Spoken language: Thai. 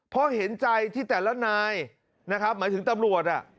เพราะเห็นใจที่แต่ละนายนะครับหมายถึงตำรวจ